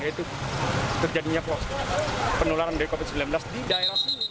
yaitu terjadinya penularan dari covid sembilan belas di daerah